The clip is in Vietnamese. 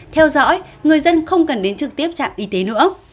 theo dõi người dân không cần đến trực tiếp trạm y tế nữa